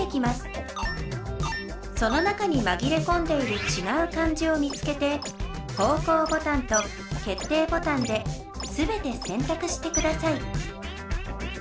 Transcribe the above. その中にまぎれこんでいるちがう漢字を見つけて方向ボタンと決定ボタンですべて選たくしてください